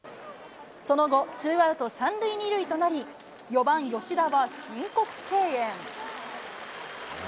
その後、ツーアウト３塁２塁となり、４番吉田は申告敬遠。